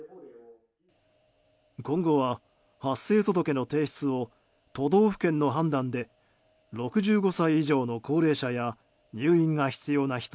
今後は、発生届の提出を都道府県の判断で６５歳以上の高齢者や入院が必要な人